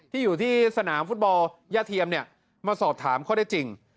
ที่อยู่ที่สนามฟุตบอลยาเทียมมาสอบถามเขาได้จริง